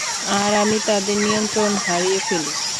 আর আমি তাদের নিয়ন্ত্রণ হারিয়ে ফেলি।